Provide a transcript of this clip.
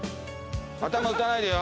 頭打たないでよ。